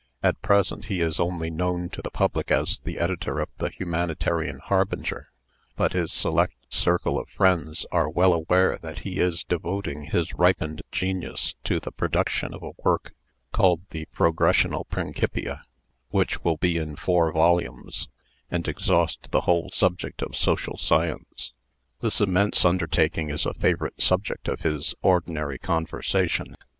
At present he is only known to the public as the editor of the 'Humanitarian Harbinger;' but his select circle of friends are well aware that he is devoting his ripened genius to the production of a work called the 'Progressional Principia,' which will be in four volumes, and exhaust the whole subject of social science. This immense undertaking is a favorite subject of his ordinary conversation.